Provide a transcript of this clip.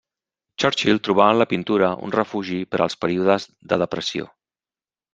Churchill trobà en la pintura un refugi per als períodes de depressió.